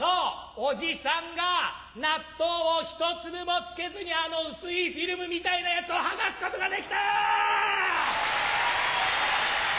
おじさんが納豆を１粒も付けずにあの薄いフィルムみたいなやつを剥がすことができた！